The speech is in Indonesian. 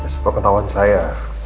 seperti ketahuan saya